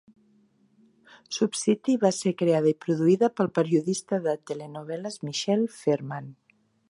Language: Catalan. SoapCity va ser creada i produïda pel periodista de telenovel·les Michael Fairman.